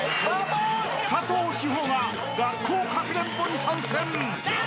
［加藤史帆が学校かくれんぼに参戦！］